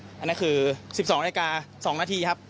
อ่าอันนี้คือสิบสองนาทีกาสองนาทีครับ